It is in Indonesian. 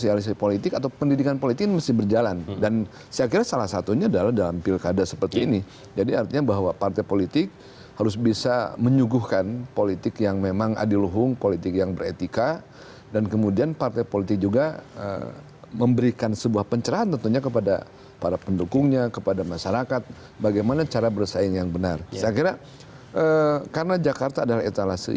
yang sudah terlatih dan punya etika dan proses komunikasi sudah berjalan dengan baik ke bawah